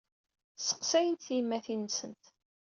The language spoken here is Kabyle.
Sseqsayent tiyemmatin-nsent.